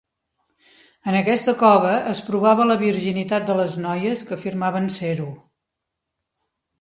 En aquesta cova es provava la virginitat de les noies que afirmaven ser-ho.